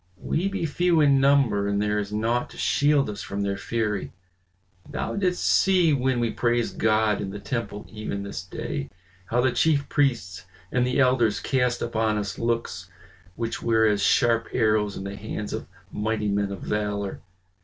We be few in number and there is naught to shield us from their fury. Thou didst see when we praised God in the temple even this day, how the chief priests and the elders cast upon us looks which were as sharp arrows in the hands of mighty men of valor.